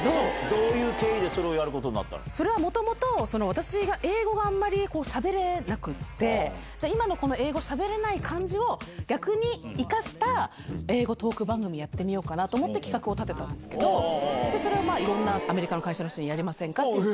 どういう経緯でそれをやるこそれはもともと私が英語があんまりしゃべれなくて、じゃあ、今のこの英語しゃべれない感じを逆に生かした英語トーク番組やってみようかなと思って、企画を立てたんですけど、それをいろんなアメリカの会社の人にやりませんかって。